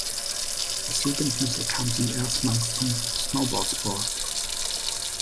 Als Jugendliche kam sie erstmals zum Snowboard-Sport.